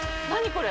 これ。